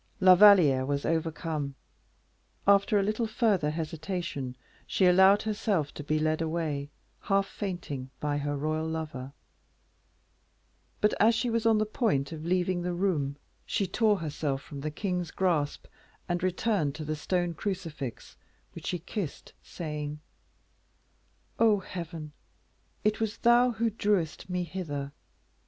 La Valliere was overcome: after a little further hesitation, she allowed herself to be led away, half fainting, by her royal lover. But, as she was on the point of leaving the room, she tore herself from the king's grasp, and returned to the stone crucifix, which she kissed, saying, "Oh, Heaven! it was thou who drewest me hither!